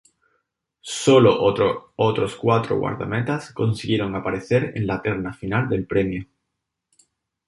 Sólo otros cuatro guardametas consiguieron aparecer en la terna final del premio.